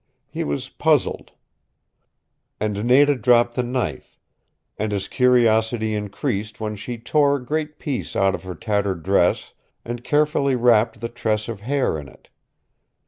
He was puzzled. And Nada dropped the knife, and his curiosity increased when she tore a great piece out of her tattered dress, and carefully wrapped the tress of hair in it.